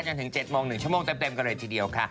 จนถึง๗โมง๑ชั่วโมงเต็มกันเลยทีเดียวค่ะ